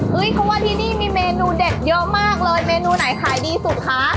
เพราะว่าที่นี่มีเมนูเด็ดเยอะมากเลยเมนูไหนขายดีสุดคะ